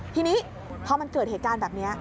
ทีนี้พอมันเกิดเหตุการณ์แบบนี้